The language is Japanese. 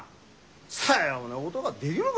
さようなことができるか！